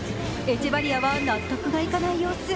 エチェバリアは納得がいかない様子。